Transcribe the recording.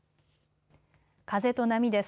風と波です。